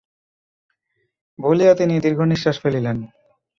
বলিয়া তিনি দীর্ঘনিশ্বাস ফেলিলেন।